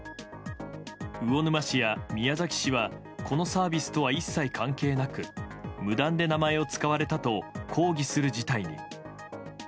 魚沼市や宮崎市はこのサービスとは一切関係なく無断で名前を使われたと抗議する事態に。